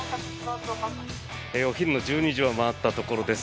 お昼の１２時を回ったところです。